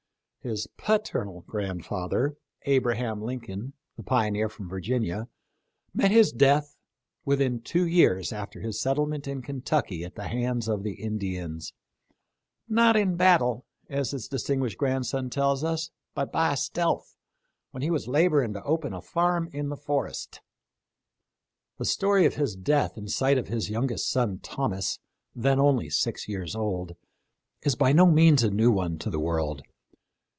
His paternal grandfather, Abraham Lincoln,* the pioneer from Virginia, met his death within two years after his settlement in Kentucky at the hands of the Indians ;" not in battle," as his distinguished grandson tells us, "but by stealth, when he was laboring to open a farm in the forest." The story of his death in sight of his youngest son Thomas, then only six years old, is by no means a new one to the world.